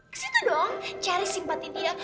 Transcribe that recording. kesitu dong cari simpatin dia